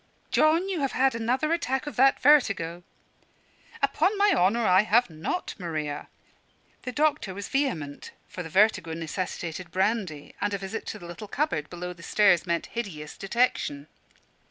"John, you have had another attack of that vertigo." "Upon my honour I have not, Maria." The doctor was vehement; for the vertigo necessitated brandy, and a visit to the little cupboard below the stairs meant hideous detection.